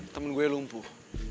temen gue lumpuh